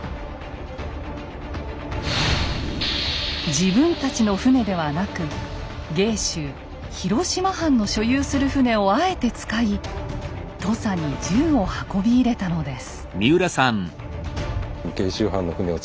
自分たちの船ではなく芸州広島藩の所有する船をあえて使い土佐に銃を運び入れたのです。